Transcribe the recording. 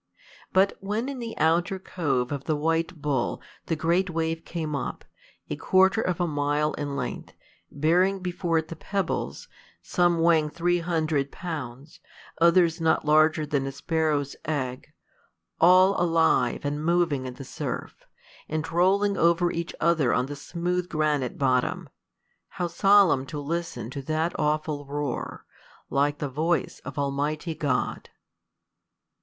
But when in the outer cove of the White Bull the great wave came up, a quarter of a mile in length, bearing before it the pebbles, some weighing three hundred pounds, others not larger than a sparrow's egg, all alive and moving in the surf, and rolling over each other on the smooth granite bottom, how solemn to listen to that awful roar, like the voice of Almighty God!